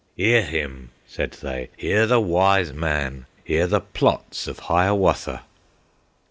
"Hear him!" said they; "hear the Wise Man, Hear the plots of Hiawatha!"